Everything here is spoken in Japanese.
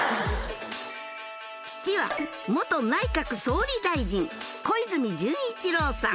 父は内閣総理大臣小泉純一郎さん